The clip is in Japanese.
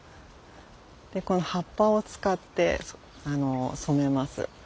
でこの葉っぱを使って染めます。